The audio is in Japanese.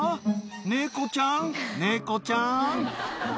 猫ちゃん、猫ちゃん。